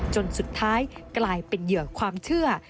จนสุดท้ายกลายเป็นเหยื่อความเชื่อ